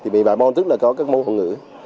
một mươi bảy môn tức là có các môn học ngữ